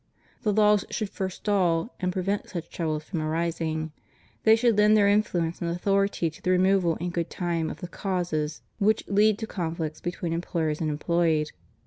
The laws should forestall and prevent such troubles from arising; they should lend their influence and authority to the removal in good time of the causes which lead to con flicts between employers and employed.